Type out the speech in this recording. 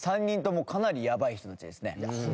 「３人ともかなりやばい人たちですね」